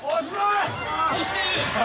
押している。